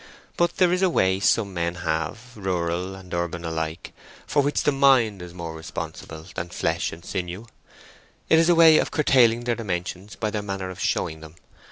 But there is a way some men have, rural and urban alike, for which the mind is more responsible than flesh and sinew: it is a way of curtailing their dimensions by their manner of showing them.